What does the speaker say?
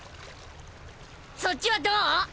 そっちはどう？